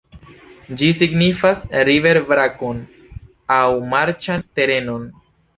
Ĝi signifas river-brakon aŭ marĉan terenon.